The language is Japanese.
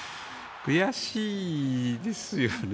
悔しいですよね。